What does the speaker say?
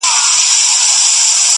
ستا په مخ کي دروغ نه سمه ویلای!.